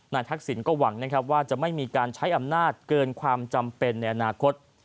ทักษิณก็หวังนะครับว่าจะไม่มีการใช้อำนาจเกินความจำเป็นในอนาคต